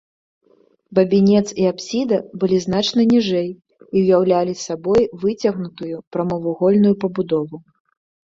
Бабінец і апсіда былі значна ніжэй і ўяўлялі сабой выцягнутую прамавугольную пабудову.